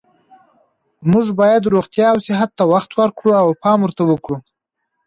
موږ باید روغتیا او صحت ته وخت ورکړو او پام ورته کړو